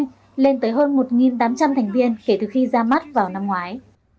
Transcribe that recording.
đội đã tăng thành viên rất nhanh lên tới hơn một tám trăm linh thành viên kể từ khi ra mắt vào năm ngoái